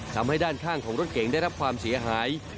ทำให้ด้านข้างของรถเก๋งได้รับความเสียหาย